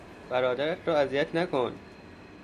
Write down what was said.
برادرت را اذیت نکن!